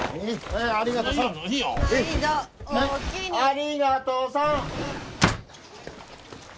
ありがとさん！